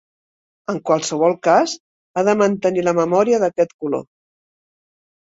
En qualsevol cas, ha de mantenir la memòria d"aquest color.